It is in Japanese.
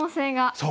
そう。